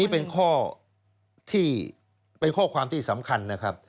เป็นข้อความที่สำคัญนะครับ